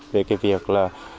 về cái việc là